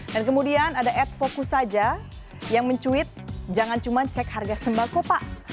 dan kemudian ada ad fokus saja yang mencuit jangan cuman cek harga sembako pak